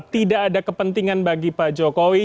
tidak ada kepentingan bagi pak jokowi